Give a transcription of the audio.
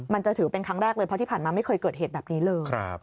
มันจะถือเป็นครั้งแรกเลยเพราะที่ผ่านมาไม่เคยเกิดเหตุแบบนี้เลย